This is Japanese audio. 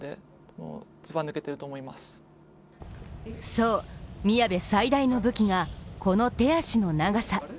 そう、宮部最大の武器がこの手足の長さ。